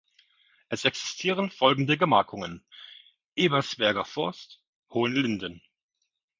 Es existieren folgende Gemarkungen: Ebersberger Forst, Hohenlinden.